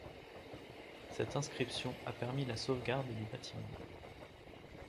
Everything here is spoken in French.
Cette inscription a permis la sauvegarde du bâtiment.